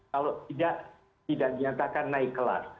kalau tidak tidak dinyatakan naik kelas